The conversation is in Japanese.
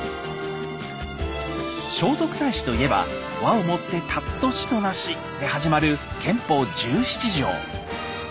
聖徳太子と言えば「和を以て貴しと為し」で始まる「憲法十七条」。